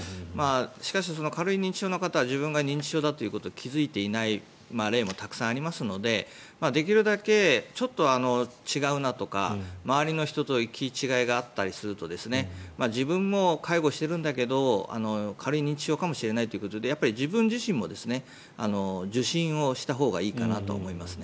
しかし、その軽い認知症の方は自分が認知症だと気付いていない例もたくさんありますのでできるだけちょっと違うなとか周りの人と行き違いがあったりすると自分も介護してるんだけど軽い認知症かもしれないということで自分自身も受診をしたほうがいいかなと思いますね。